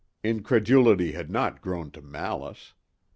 Incredulity had not grown to malice.